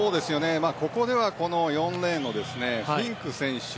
ここでは４レーンのフィンク選手。